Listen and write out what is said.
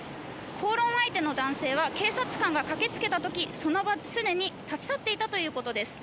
口論相手の男性は警察官が駆け付けた時その場をすでに立ち去っていたということです。